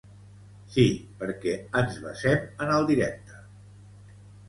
Sí, perquè ens basem en el directe.